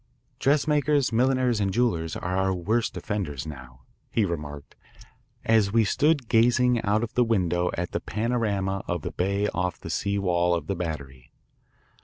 Dressmakers, milliners, and jewellers are our worst offenders now," he remarked as we stood gazing out of the window at the panorama of the bay off the sea wall of the Battery.